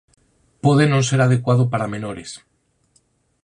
Pode non ser adecuado para menores